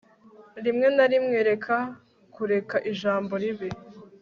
Rimwe na rimwe reka kureka ijambo ribi